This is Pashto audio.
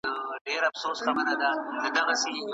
ډیپلوماټیک منځګړیتوب باید عادلانه وي.